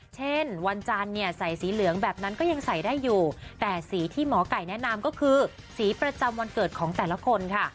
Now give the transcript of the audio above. เช่นวันจันทร์เนี่ยใส่สีเหลืองแบบนั้นก็ยังใส่ได้อยู่แต่สีที่หมอไก่แนะนำก็คือสีประจำวันเกิดของแต่ละคนค่ะ